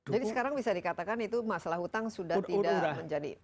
jadi sekarang bisa dikatakan itu masalah hutang sudah tidak menjadi masalah hutang